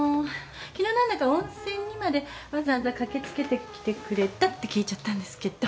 昨日何だか温泉にまでわざわざ駆け付けてきてくれたって聞いちゃったんですけど。